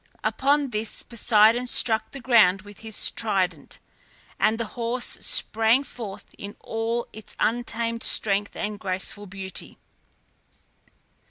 Upon this Poseidon struck the ground with his trident, and the horse sprang forth in all his untamed strength and graceful beauty.